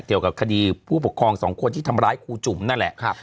เกี่ยวกับคดีผู้ปกครองสองคนที่ทำร้ายครูจุ๋มนั่นแหละ